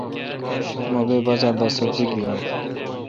مہ بے بازار دا سبزی گیون۔